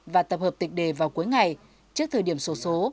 và tập hợp tịch đề vào cuối ngày trước thời điểm sổ số